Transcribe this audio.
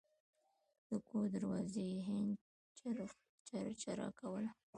د کور دروازې هینج چرچره کوله.